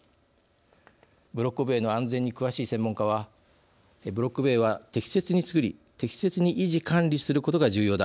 ブロック塀の安全に詳しい専門家はブロック塀は適切に作り適切に維持管理することが重要だ。